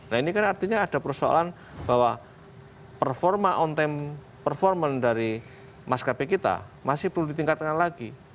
nah ini kan artinya ada persoalan bahwa performa on time performance dari maskapai kita masih perlu ditingkatkan lagi